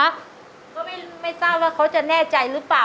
ก็ไม่ทราบว่าเขาจะแน่ใจหรือเปล่า